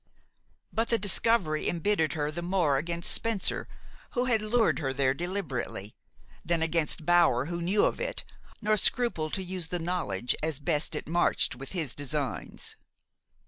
But the discovery embittered her the more against Spencer, who had lured her there deliberately, than against Bower who knew of it, nor scrupled to use the knowledge as best it marched with his designs.